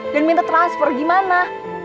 dan minta transfer gimana